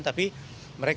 tapi mereka tersenyum